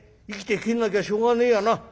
生きて帰らなきゃしょうがねえやな。